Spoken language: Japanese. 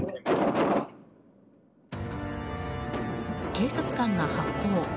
警察官が発砲。